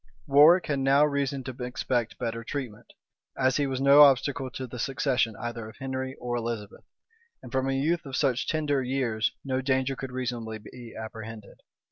Warwick had now reason to expect better treatment, as he was no obstacle to the succession either of Henry or Elizabeth; and from a youth of such tender years no danger could reasonably be apprehended.